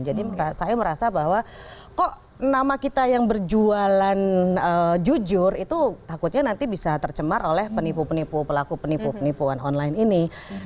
saya merasa bahwa kok nama kita yang berjualan jujur itu takutnya nanti bisa tercemar oleh penipu penipu pelaku penipu penipuan online ini